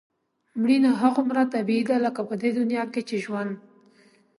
مړینه هغومره طبیعي ده لکه په دې دنیا کې چې ژوند.